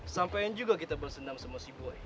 sampein juga kita bersendam sama si boy